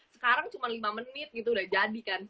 sekarang cuma lima menit gitu udah jadi kan